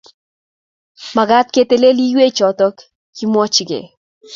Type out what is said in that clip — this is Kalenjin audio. Magat ketelel iywechuto, kimwochkei